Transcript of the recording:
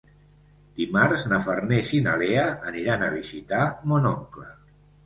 Dimarts na Farners i na Lea aniran a visitar mon oncle.